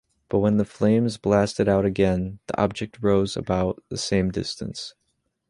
But when the flames blasted out again, the object rose about the same distance.